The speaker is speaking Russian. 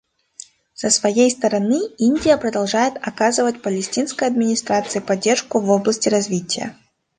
Со своей стороны, Индия продолжает оказывать Палестинской администрации поддержку в области развития.